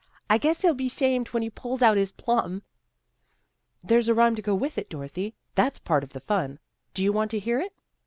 " I guess he'll be 'shamed when he pulls out his plum." 11 There's a rhyme to go with it, Dorothy. That's part of the fun. Do you want to hear it?